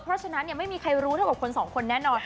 เพราะฉะนั้นไม่มีใครรู้เท่ากับคนสองคนแน่นอน